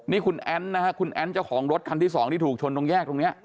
นี่คุณแอ้นนะฮะคุณแอ้นเจ้าของรถคันที่สองที่ถูกชนตรงแยกตรงนี้